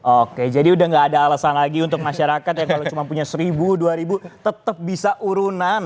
oke jadi udah gak ada alasan lagi untuk masyarakat yang kalau cuma punya seribu dua ribu tetap bisa urunan